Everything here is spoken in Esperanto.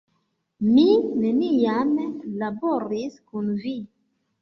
Mi neniam laboris kun vi!